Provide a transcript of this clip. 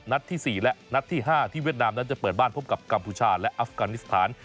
ที่๔และนัดที่๕ที่เวียดนามนั้นจะเปิดบ้านพบกับกัมพูชาและอัฟกานิสถาน